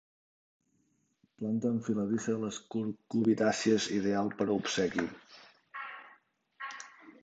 Planta enfiladissa de les cucurbitàcies ideal per a obsequi.